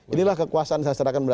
inilah kekuasaan sastrakan mendagri